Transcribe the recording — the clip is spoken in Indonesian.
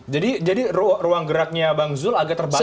jadi jadi ruang geraknya bang zul agak terbatas lagi